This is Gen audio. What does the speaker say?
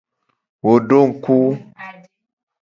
Wo do ngku.